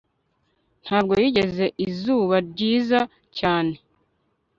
Ntabwo yigeze izuba ryiza cyane